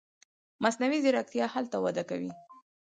مصنوعي ځیرکتیا هلته وده کوي.